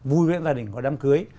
vui với gia đình có đám cưới